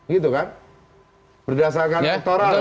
gitu kan berdasarkan elektoral